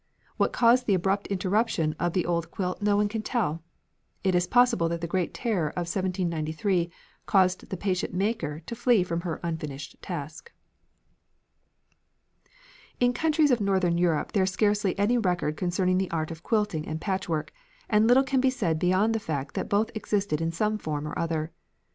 What caused the abrupt interruption of the old quilt no one can tell. It is possible that the great terror of 1793 caused the patient maker to flee from her unfinished task." In the countries of northern Europe there is scarcely any record concerning the art of quilting and patchwork, and little can be said beyond the fact that both existed in some form or other.